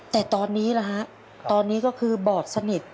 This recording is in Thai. แต่ตอนนี้นะฮะตอนนี้ก็คือบอดสนิท